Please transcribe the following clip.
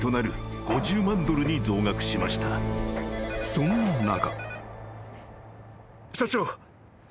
［そんな中］